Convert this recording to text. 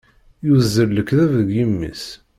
Yuzzel lekdeb deg yimi-s.